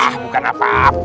bukan apa apa